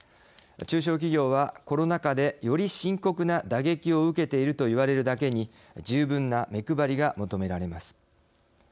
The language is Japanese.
中小企業は、コロナ禍でより深刻な打撃を受けているといわれるだけに十分な目配りが求められます。